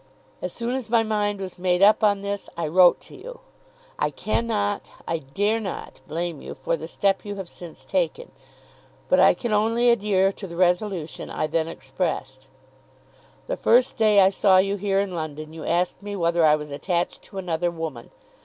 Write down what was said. As soon as my mind was made up on this I wrote to you. I can not, I dare not, blame you for the step you have since taken. But I can only adhere to the resolution I then expressed. The first day I saw you here in London you asked me whether I was attached to another woman.